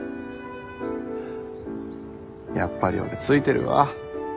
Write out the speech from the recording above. やっぱり俺ついてるわ。